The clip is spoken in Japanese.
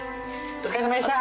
お疲れさまでした。